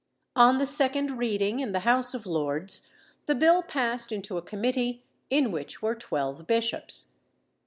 On the second reading in the House of Lords, the bill passed into a committee, in which were twelve bishops.